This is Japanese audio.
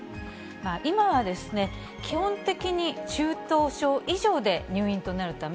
今は基本的に中等症以上で入院となるため、